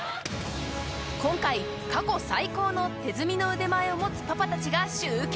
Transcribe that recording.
今回、過去最高の手積みの腕前を持つパパたちが集結。